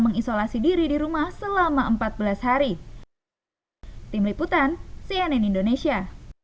mengisolasi diri di rumah selama empat belas hari tim liputan cnn indonesia